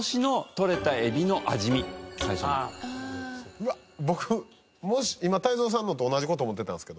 うわっ僕もし今泰造さんのと同じ事思ってたんですけど。